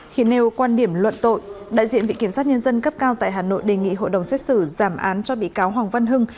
khi nêu quan điểm luận tội đại diện vị kiểm sát nhân dân cấp cao tại hà nội đề nghị hội đồng xét xử giảm án cho bị cáo hoàng văn hưng